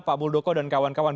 pak muldoko dan kawan kawan